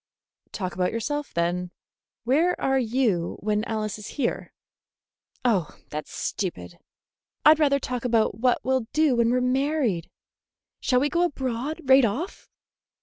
"Talk about yourself, then. Where are you when Alice is here?" "Oh, that's stupid. I'd rather talk about what we'll do when we are married. Shall we go abroad right off?"